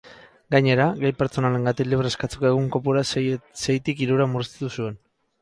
Gainera, gai pertsonalengatik libre eskatzeko egun kopurua seitik hirura murriztu zuen.